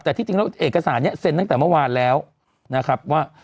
แต่ที่จริงแล้วเอกสารนี้เซ็นตั้งแต่เมื่อวานแล้วนะครับว่า